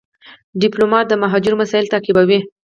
ډيپلومات د مهاجرو مسایل تعقیبوي.